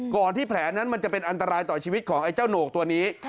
ที่แผลนั้นมันจะเป็นอันตรายต่อชีวิตของไอ้เจ้าโหนกตัวนี้